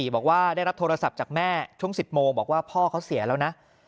บอกว่าได้รับโทรศัพท์จากแม่ช่วง๑๐โมงบอกว่าพ่อเขาเสียแล้วนะ